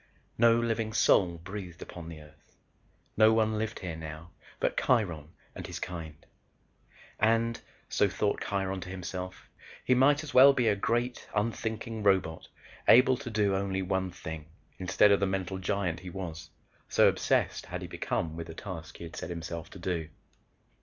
No living soul breathed upon the Earth. No one lived here now, but Kiron and his kind. "And," so thought Kiron to himself, "he might as well be a great unthinking robot able to do only one thing instead of the mental giant he was, so obsessed had he become with the task he had set himself to do."